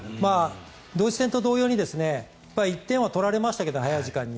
ドイツ戦と同様に１点は取られましたけど早い時間に。